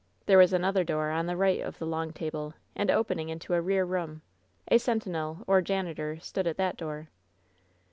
There was another door on the right of the long table, and opening into a rear room. A sentinel or janitor stood at that door.